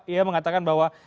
ia mengatakan bahwa